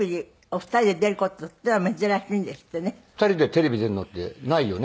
２人でテレビ出るのってないよね？